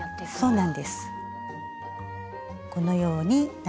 そうなんです。